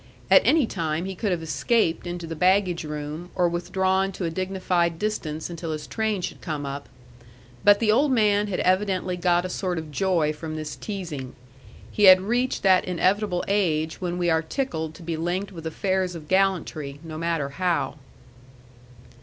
At any time he could have escaped into the baggage room or withdrawn to a dignified distance until his train should come up. But the old man had evidently got a sort of joy from this teasing. He had reached that inevitable age when we are tickled to be linked with affairs of gallantry, no matter how.